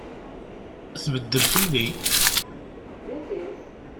Tbeddel fell-i.